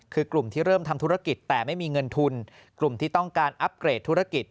คือกลุ่มที่เริ่มทำธุรกิจแต่ไม่มีเงินทุนกลุ่มที่ต้องการอัพเกรดธุรกิจ